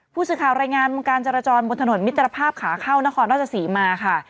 ผู้สื่อข่าวรายงานการจราจรบนถนนมิตรภาพขาเข้านครราชศรีมาค่ะ